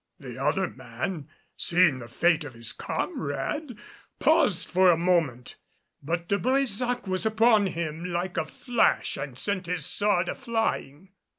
The other man, seeing the fate of his comrade, paused for a moment; but De Brésac was upon him like a flash and sent his sword a flying.